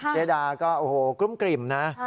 เจดาก็โอ้โหกลุ้มกลิ่มนะ